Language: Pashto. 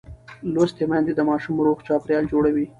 لوستې میندې د ماشوم روغ چاپېریال جوړوي.